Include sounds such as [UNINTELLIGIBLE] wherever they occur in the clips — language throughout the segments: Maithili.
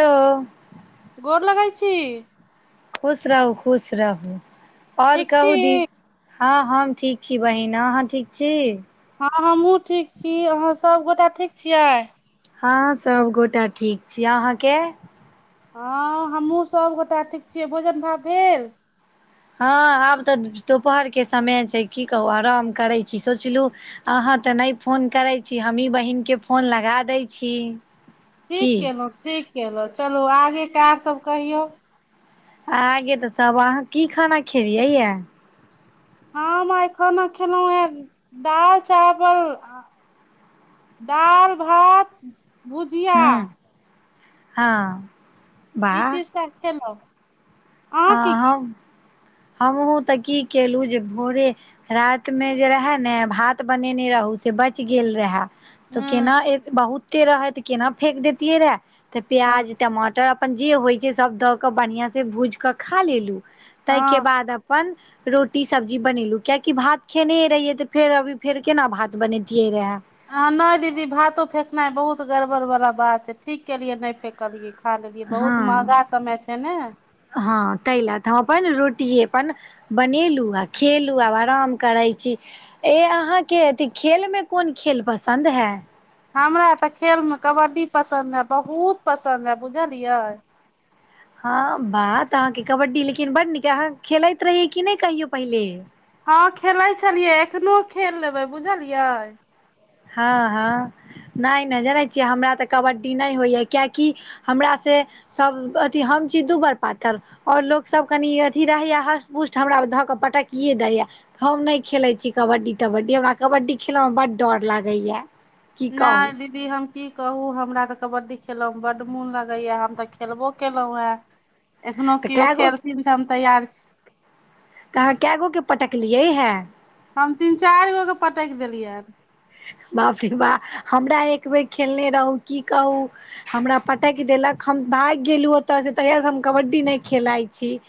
हेलो गोर लगै छी। खुश रहू खुश रहू ओर ठीक छी कहू दी। हँ हम ठीक छी बहिन अहाँ ठीक छी। हँ हमहू ठीक छी अहाँ सभगोटा ठीक छियै। हँ सभगोटा ठीक छी अहाँके। हँ हमहूँ सभगोटा ठीक छियै भोजन भात भेल। हँ आब तऽ दुपहरके समय छै की कहू आराम करैत छी सोचलहु। अहाँ तऽ नहि फोन करैत छी हमही बहिनके फोन लगा दै छी। ठीक की केलहु ठीक केलहु चलू आगे काज सब कहियौ। आगे तऽ सब अहाँ की खाना खेलियै यए। हम आइ खाना खेलहुं हें दाल चावल। दाल भात भुजिया। हं। ई चीज त केलो। ह हम हमहुँ तऽ की केलु जे भोरे रायत मे जे रहे न भात बनेने रहौ से बैच गेल रहे। तऽ खेलहुँ? केना ए बहुते रहै तऽ केना फेेक देैतियै रहे तऽ हँ प्याज टमाटर अपन जे होय छैय सब दऽ क बढ़िया से भुज क खा लेलू हँ तइके हँ बाद अपन रोटी सब्जी बनेलु कियेकि भात खेनहे रहियै तऽ फेर अभी फेर केना भात बनैतियै रहै। अ नै दीदी भातो फेकनाइ बहुत गड़बड़ बाला बात छैय ठीक केलियै नै फेकलियै। खा लेलिये बहुत महगा समय छैय ने। ह तहि ले तऽ हम अपन रोटीये अपन बनेलु आ खेलु आब आराम करेय छी। ए अहाके अथी खेलमे कोन खेल पसंद हेॅं। हमरा तऽ खेलमे कबड्डी पसंद हैं बहुत पसंद हए बुझलियै। ह बात अहाँके कबड्डी लेकिन बड नीक अहाँ खेलैत रहीये की नै कहियो पहिले। ह खेलेय छलियै एखनो खेल लेबै बुझलिये। ह ह नइ नइ जनेत छिये हमरा तऽ कबड्डी नै होइए कियेकि हमरा से सब अथि हम छी दूबर पातर। और लोकसभ कनि अथि रहेया हष्ट पुष्ट हमरा धऽ कऽ पटकिए देइया। हम नै खेलेय छी कबड्डी तबड्डी हमरा कबड्डी खेलयमे बड डर लागैए। की कहू नइ दी दी हम की कहू हमरा तऽ कबड्डी खेल मे बड मोन लगेया हम तऽ खेलबो केलहुॅं या एखनो तऽ कीयो कए गो खेलथिन तऽ हम तैयार छी। तऽ अहाँ कै गोके पटकलिये है। हम तीन चारि गो के पटकि देलियैन। बाप रे बा हमरा एक बेेर खेलने रहुं, की कहु हमरा पटैक देलक हम भागि गेलु ओतयसे तहियासे हम कबड्डी नै खेलाइ छी।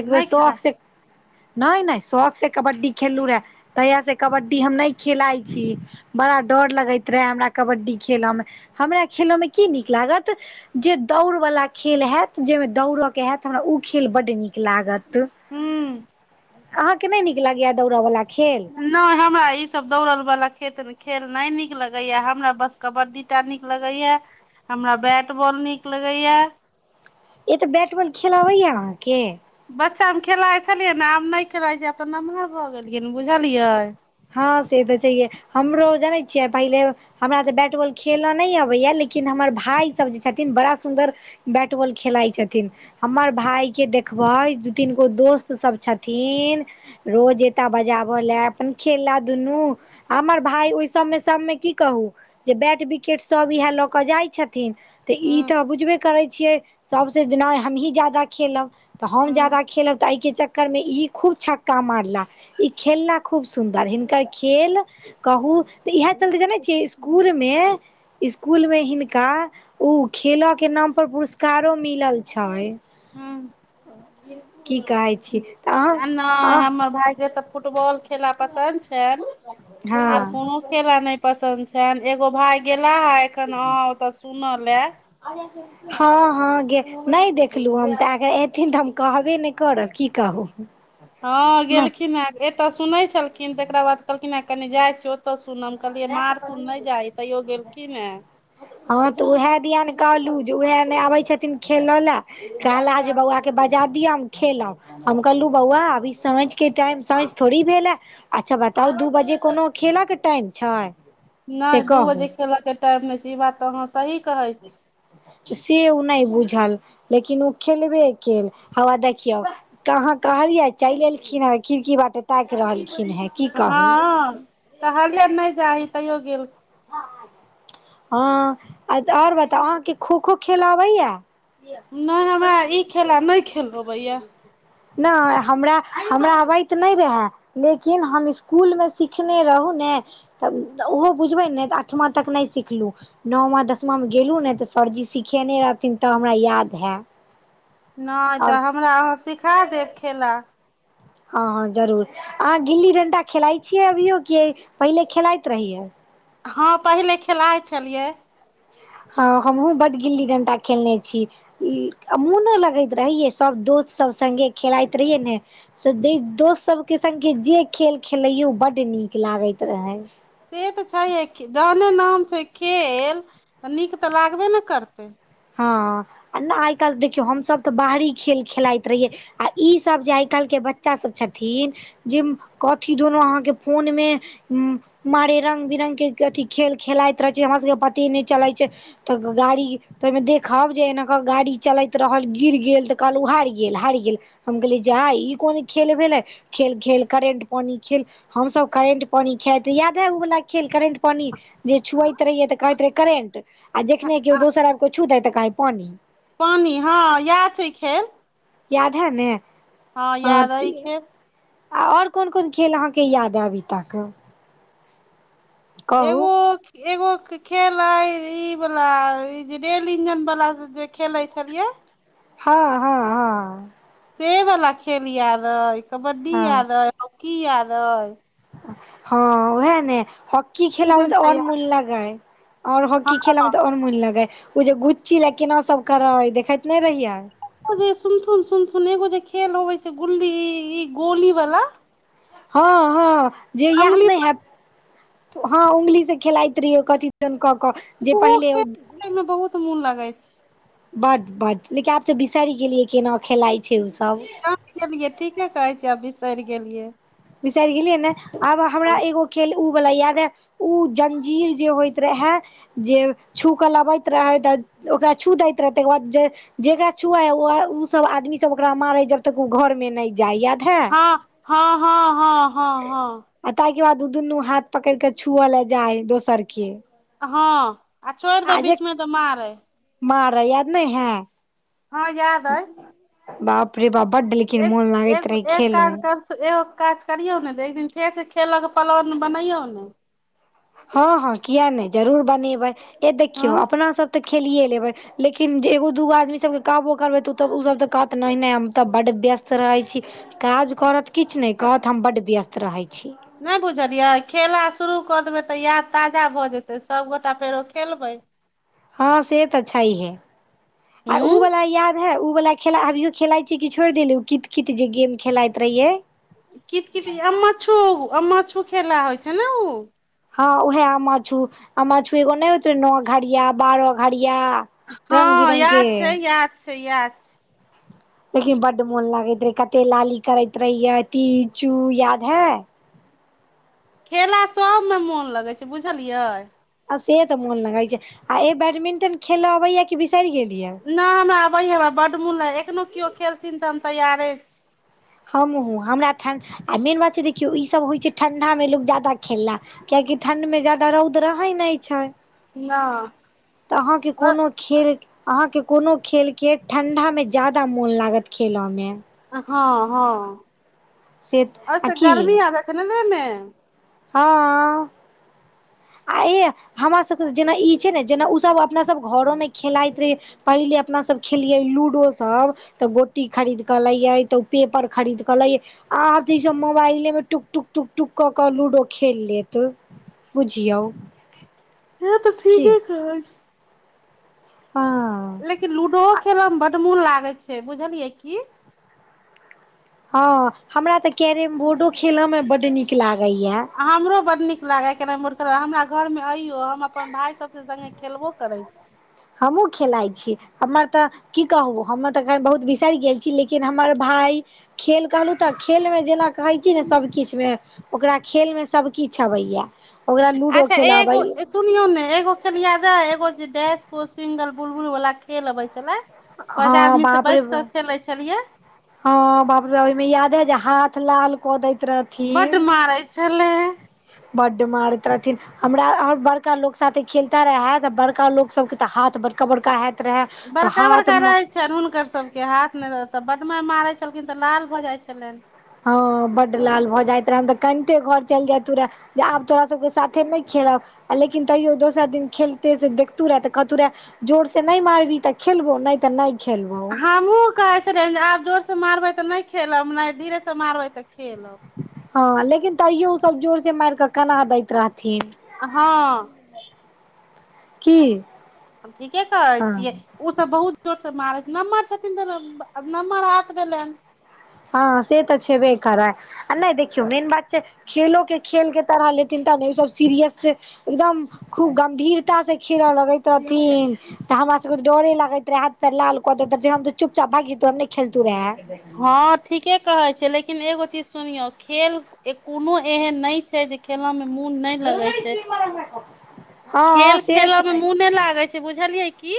एक बेर नहि शौक खेलाइ से नै नै शौक से कबड्डी खेललु रहै तहियासे कबड्डी हम नै खेलाइ छी। बड़ा डर लगैत रहै हमरा कबड्डी खेलऽ मे, हमरा खेलयमे की नीक लागत जे दौड़ वला खेल हैत जैमे दौड़के हैत हमरा ऊ खेल बड नीक लागत। हूँ [UNINTELLIGIBLE] अहाँके नै नीक लगैयै दौड़यवला खेल? नैय हमरा ई सब दौड़ल वाला खेत खेल नै नीक लगैयै, हमरा बस कबड्डी टा नीक लगैयै हमरा बैट बॉल नीक लगैयै ए तऽ बैट बॉल खेल अबैयै अहाँके? बच्चा मे खेलाइ छलियै न आब नै खेलाइ छीय आब तऽ नमहर भऽ गेलियै न बुझलयै। हं से तऽ छैहे हमरो जानै छियै पहिले हमरा तऽ बैट बॉल खेल नै अबैए लेकिन हमर भायसब जे छथिन बड़ा सुंदर बैट बॉल खेलाइ छथिन हमर भायके देखबै दू तीन गो दोस्त सब छथिन रोज एता बजाब‌ लै अपन खेलला दुनू हमर भाय ओहि सबमे सबमे की कहू जे बैट, बिकेट सब इएह लऽ कऽ जाइ छ थीन तऽ ई हँ तऽ बुझबे करैय छियै सब से जे नै हमहीं जादा खेलब तऽ हम हँ जादा खेलब तऽ एहि के चक्कर मे ई खूब छक्का मारला ई खेलला खूब सु सुंदर हिनकर खेल कहू तऽ इएह चलते जनै छीयै स्कूल में स्कूल मे हिनका उ खेलके नाम पर पुरस्कारो मिलल छै। [INAUDIBLE] की कहै ऊं छी तऽ ए नै अहाँ हमर भाय के तऽ फुटबॉल खे खेला पसन्द छैन अह हँ आर कोनो खेला नहि पसन्द छनि, एगो भाय गेला है एखन हन ओतऽ सुनऽ लै [UNINTELLIGIBLE] हँ हँ गे नहि देखलु हम तऽ अगर एथिन तऽ हम कहबे नहि करब की कहू हँ नहि गेलखिन हैं एतऽ सुनै छलखिन तेकरा बाद कहलखिन है कनि जाइ छी ओतऽ सुनम कहलियै मारथुन नहि जाहि तैयो गेलखिन हें हँ तऽ ऊहे दिया न कहलु जे ऊहै ने आबै छथिन खेलऽ लए कहला जे बौआ के बजा दिय हम खेलब। हम कहलु बौआ अभी साँझ के टाइम साँझ थोड़ी भेल ए अच्छा बताउ दू बजे कोनो खेल के टाइम छै से नहि दू बजे कहू खेलऽ के टाइम नहि छै ई बात तऽ अहाँ सही कहै छी। से ऊ नहि बुझल लेकिन ऊ खेलबे केल हौआ देखियौ कहाँ कहलियै चलि एलखिन हैं ओइ खिड़की बाटे ताकि रहलखिन हैं। हँ कहलियनि नहि जाही तैयो गेल हँ आय त और बताउ अहाँके खो खो खेल अबैया? जे नहि सच हमरा ई बजै छियै खेला हमर नहि दीदीयो खेल सच अबैया बजैय छै। नहि हमरा हमरा अबैत नहि रहै। लेकिन हम स्कूल मे सिखने रहु ने तऽ ऊहो बुझबै ने तऽ अठमा तक नहि सिख सिखलहुँ नौमा दसमा मे गेलहुँ ने तऽ सरजी सिखेने रहथिन तऽ हमरा याद हे। [INAUDIBLE] नहि तऽ हमरा अहाँ सिखा देब खेला। हँ हँ जरूर अहाँ गिल्ली डंटा खेलाइत छियै अभियौ कि पहिले खेलाइत रहियै। हँ पहिले खेलाइ छलियै। हँ हमहुँ बड्ड गिल्ली डंटा खेलने छी। मोनो लगैत रहि यै सभ दोस्त सभ सङ्गे खेलाइत रहियै ने। से दोस्त सभके सङ्गे जे खेल खेलैयौ बड्ड नीक लागैत रहय। से तऽ छैहे जहने नाम छै खेल तऽ नीक तऽ लागबे ने करतै। हँ आ नहि आइ काल्हि देखियौ हमसभ तऽ बाहरी खेल खेलाइत रहियै। आ ईसभ जे आइ काल्हिके बच्चा सभ छथिन। जे कथी दुनू अहाँके फोन मे। मारे रंग बिरंग के अथी खेल खेलाइत रहै छै हमरा सबके पते नहि चलैत छै। तऽ ग गाड़ी। तऽ ओहिमे देखब जे एना कऽ गाड़ी चलैत रहल गिर गेल तऽ कहलहुँ हारि गेल हारि गेल। हम कहलियै जा ई कोन खेल भेलै खेल खेल करेंट पानी खेल। हमसभ करेंट पानि खेलाइत रहिये याद हे ऊ वला खेल करेंट पानि। जे छुवेत रहियै तऽ कहैत रहै करेंट आ जखने आ कियो दोसर आबि के छुतै तऽ कहे पानि। पानि हँ इएह छै खेल। याद है ने। हँ याद अइ खेल। आ और कोन कोन खेल अहाँके याद है अभी तक। कहू एगो। एगो खेल अय ई वाला ई जे रेल इंजन वाला जे खेले छलिये। हँ हँ। हँ से वाला खेल याद अय कबड्डी हँ याद अय हॉकी याद अय। हँ उहे न ह हॉकी ई खेला मे तऽ डंटा और याद मोन लगै और हॉकी खेला मे त मन लगेै ओ जे गुची ल केना सब करे देखैत नै रहियै। सुनथुन सुनथुन एगो जे खेल होबे छै गुल्ली ई गोली वला। हँ हँ जे याद अंगुली नहि हेब हँ उगली से खेलाइत रहिये कथी। कक जे ओहो पहिले। खेल खेले में बहुत मोन लागे छै बड बड लेकिन आब तऽ बिसरि गेलियै केना खेलाइ छै ओसभ। गेलियै ठीके कहे छै बिसरि गेलियै। बिसार गेलियै ने आब हमरा हँ एगो खेल। ओ बला याद हे ओ जंजीर जे होइत रहे। जे छू कऽ लबैत रहै तऽ ओकरा छू दैत रहै तहिकर बाद जे। जेकरा छुआ ओ सब आदमी सब ओकरा मारे जब तक ओ घर मे न नहि जाय याद है। हँ हँ हँ हँ हँ। आ ताहिके बाद द दुनू हाथ पकड़ के छुअले जाय दोसर के। हँ आ छोड़ि दे बीचमे तऽ मारै। मार याद नहि हैं। हँ याद अइ। बाप रे बाप बड्ड लेकिन मोन लागैत रहै खेल में। ए काज करियौ ने तऽ एक दिन फेर से खेलक पलान बनैयौ ने। हँ हँ, किएक नहि, जरूर बनेबै। ए हँ देखियौ, अपना सभ तऽ खेलिए लेबै। लेकिन जे एगो दूगो आदमीसभकेँ कहबो करबै तऽ ओ तऽ ओसभ तऽ कहत नहि नै हम तऽ बड्ड व्यस्त रहै छी। काज करत किछ नहि कहत हम बड्ड व्यस्त रहै छी। नहि बुझलियै खेला शुरू कऽ देबै तऽ याद ताजा भऽ जेते सबगोटा फेरो खेलबै। हँ से तऽ छहिहै आ उ हूँ बला याद। रहै उ वाला खेला अभियो खेलाइत छी कि छोड़ि देलु कित-कित जे गेम खेलाइत रहिये। कित-कित जे अमछू-अमछू खेला होइ छलोऊ। हँ उएह अमछू-अमछू एगो नहि होत नो घड़िया बारह घड़िया। रंग हँ बिरंग के याद छै याद छै याद छै। [UNINTELLIGIBLE] लेकिन बड्ड मोन लागैत रहे कते लाली करैत रहिये ती चू याद है। खेला सबमे मोन लगै छै बुझलियै। से तऽ मोन लगै छै आ ए बैडमिंटन खेलऽ अबैया कि बिसरि गेलीह। नहि हमरा आबय हमरा बड मोन रहै [UNINTELLIGIBLE] एखनो केओ खेलथिन तऽ हम तैयारे। छी हमहूँ हमरा ठण आ [UNINTELLIGIBLE] मेन बात छै जे कियो इसभ होइ छै ठण्ढा मे लोक ज्यादा खेला। कियकि ठण्डमे ज्यादा रौद रहै नहि छै। न। तऽ अहाँके कोनो। खेल अहाँके कोनो खेलके ठण्डामे ज्यादा मोन लागत खेलमे। हँ-हँ से आओर आ सब की गर्मी आबत न न ने। हँ। आये हमरा सबके जेना ई छै ने जेना ऊ सब अपना सब घरो मे खेलाइत रही। पहिले अपनासभ खेलियै लूडोसब। तऽ गोटी खरीद कऽ लयई तऽ पेपर खरीद कऽ लयई। आब तऽ [UNINTELLIGIBLE] ई सब मोबाइले मे टुक-टुक-टुक-टुक कऽ कऽ लू। [UNINTELLIGIBLE] डो [UNINTELLIGIBLE] खेल लेत बुझियौ। से तऽ की ठीके कह। [UNINTELLIGIBLE] हँ। लेकिन लूडो खेलय मे बड मोन लागैत छै बुझलियै की? हँ हमरा तऽ कैरम बोर्डो खेल मे बड निक लागेया। हमरो बड निक लागै कैरम बोर्ड खेला [UNINTELLIGIBLE] हमरा घरमे अहियो हम अपन भाय सबसँ सङ्गे खेलबो करै। छी हमहुँ खेलाइ छी हमर तऽ। की कहु हमर [UNINTELLIGIBLE] तऽ अखन बहुत बिसरि गेल छी लेकिन हमर भाय। खेल कहलहुँ तऽ खेलमे जेना कहै की ने सब किछ मे। ओकरा खेलमे सभ किछ अबैया। ओकरा लूडो अच्छा खेलऽ अबै एगो। सुनियौ ने एगो खेल याद अइ एगो जे डैश कोस सिंगल बुल-बुल वला खेल अबै छलै? पाँच हँ आदमी सँ [UNINTELLIGIBLE] बाप रे बैस कऽ खेले छलियै? हँ बाप रे ओहिमे याद अइ जे हाथ लाल कऽ दैत रह [UNINTELLIGIBLE] बड मारै छलै। बड मारैत रहथिन। [UNINTELLIGIBLE] हमरा आओर बड़का लोक साथे खेलता रहैए बड़का लोक सबके तऽ हाथ बड़का-बड़का हैत। [UNINTELLIGIBLE] तऽ हाथ बड़का-बड़का राइ। [UNINTELLIGIBLE] छनि हुनकर सबके हाथ ने तऽ बडमारि मारे छलखिन तऽ लाल भऽ जाइ छलनि। हँ बड लाल भऽ जाइत रहे हम तऽ कानिते घर चलि जाइततूरै। [UNINTELLIGIBLE] जे आब तोरा सबके साथे नहि खेलब। आ लेकिन तैयो दोसर दिन खेलते से देखतू रहे तऽ कहतू रहे जोर से नहि मारबी तऽ खेलबो नहि तऽ नहि खेलबौ। हमहूं कहे छलियन जे अहां जोर से मारबै तऽ नहि खेलब नै धीरे से मारबै तऽ खेलब। हँ लेकिन तैयो ऊसभ जोर से मारि कऽ कना दैत रहथिन। हँ। की? हम ठीके कहै हँ छियै ऊ सब बहुत जोर से मारै छै नम्हर छथिन त अब नम्हर हाथ भेलैन। हँ से तऽ छेबे करै आ नहि देखियौ मेन बात छै खेलो के खेल के तरह लेथिन तब ने ऊ सब सीरियस एकदम खूब गम्भीरतासे खेलय लगैत रहथिन। तऽ हमरा सबके त डरे लागैत रहै, हाथ पैर लाल कऽ देत जे हम त चुपचाप भाइग जैतो हम नहि खेलतु रहेै। हँ ठीके कहे छीयै लेकिन एगो चीज सुनियौ खेल कोनो एहन नहि छै जे खेलऽ में मोन नै लगे छै हँ खेल से खेलऽ मे तऽ मुने लागे छै बुझलियै की,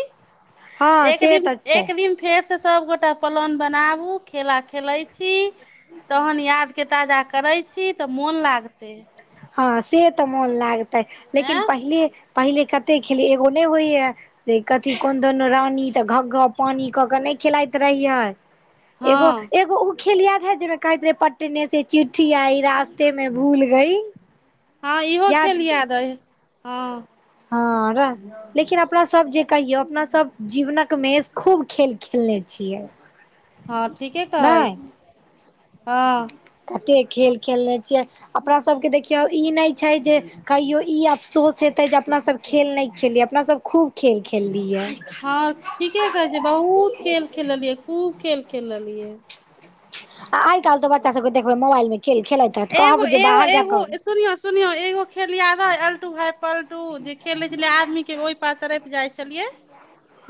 हँ एक से दिन तऽ छै एक दिन फेरसे सबगोटा प्लान बनाबू, खेला खेलै छी तहन याद के ताजा करै छी तऽ मोन लागतै। हँ से तऽ मोन लागतै लेकिन हैं पहिले पहिले कते खेलीयै एगो नहि होइहै जे कथी कोन दुनू रानी तऽ घग्गह पानी कऽ कऽ नहि खेलाइत रहियै हँ एगो एगो ऊ खेल याद है जैमे कहैत रहै पटने से चिट्ठी आई रास्ते में भूल गई हँ इहो खेल याद अहि, हँ। हँ रह लेकिन आब अपना सब जे कहियौ अपना सब जीवनक मे खूब खेल खेलने छियै। हँ ठीके कहै नहि छी। हँ कते खेल खेलने छियै अपना सबके देखियौ ई नहि छै जे कहियो ई अफसोस हेतै जे अपनासभ खेल नहि खेललियै अपनासभ खूब खेल खेललियै। और ठीके कहै छै बहुत खेल खेललियै खूब खेल खेललियै। आ आइ काल्हि त बच्चा सभके देखबै मोबाइलमे खेल खेलैत रहत एगो कहब जे बाहर जाकऽ [INAUDIBLE] ओ खेल याद अइ अलटू भाय पलटू जे खेले छलियै आदमी के ओहि पार तड़ैप जाइ छलियै।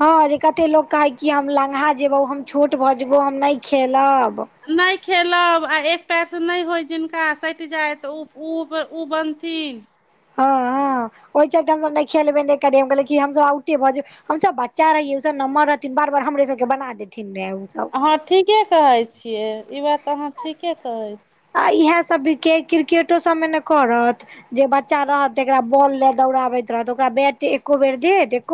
हँ जे कते लोक कहै कि हम लंघा जेबौ, हम छोट भऽ जेबौ, हम नहि खेलब। नहि खेलब आ एक पैरस नहि होय जिनका सटि जाइ तऽ ऊ ऊ बनथिन। हँ हँ ओहि चलते हमसब नहि खेलबे ने करियै हम कहलियै कि हमसब आउटे भऽ जे हम सब बच्चा रहियै ऊ सब नम्हर रहथिन बार बार हमरे सब के बना देथिन रहै ऊ सब हँ ठीके कहे छीये, ई बात अहाँ ठीके कहै छी। आ इएह सभ भीके क्रिकेटो सभमे ने करत। जे बच्चा रहत तेकरा बॉल लै दौड़ाबैत रहत ओकरा बैट एको बेर देत एक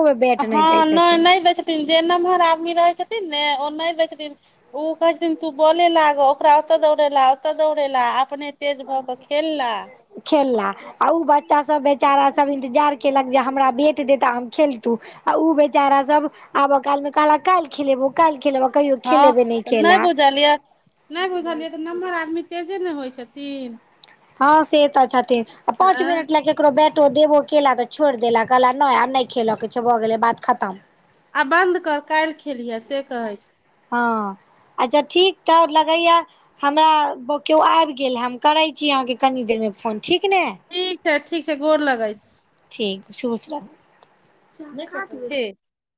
हँ नहि नहि दै छथिन जे नमहर आदमी रहै छथिन ने ओ नहि दै छथिन ऊ कहै छथिन तू बोले लागऽ ओकरा ओतऽ दौड़ेेला ओतऽ दौड़ेेला अपने तेज भऽ कऽ खेलला। खेलला। आ ऊ बच्चा सभ बेचारा सभ इन्तजार केलक जे हमरा बेेट देता हम खेलतू। आ ऊ बेचारा सब आब काल मे कहला काल्हि खेलेबौ, काल्हि खेलेबौ कहियो हँ खेलेबे नहि तऽ केला। बुझलियै नहि बुझलियै तऽ, नम्हर आदमी तेजे ने होय छथिन। हाॅं, से तऽ छथिन, आ पाॅंच हँ मिनट लाग ककरो बेटो देबो केला तऽ, छोड़ि देला, कहला नहि, आब नहि खेलै के छौ, भऽ गेलै बात खत्म, आब बंद कर, कायल खेलिहै से कहै छै। हाॅं, अच्छा ठीक तऽ लगैया। हमरा किओ आबि गेल, हम करै छी अहाँके कनि देरमे फोन, ठीक ने। ठीक छै, ठीक छै गोर लग छी। ठीक, खुशरह। ठीक